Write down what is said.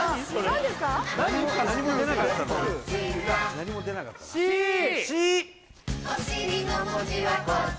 何も出なかったなえっ？